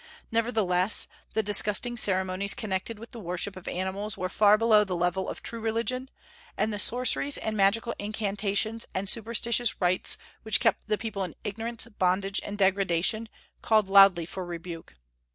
Nevertheless, the disgusting ceremonies connected with the worship of animals were far below the level of true religion, and the sorceries and magical incantations and superstitious rites which kept the people in ignorance, bondage, and degradation called loudly for rebuke.